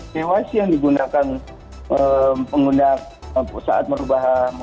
kyc yang digunakan saat merubah mobile banking aplikasi itu hanya akses otp via sms